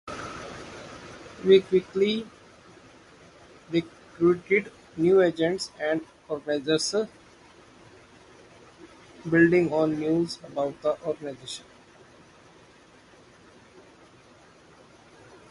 He quickly recruited new agents and organizers, building on news about the organization.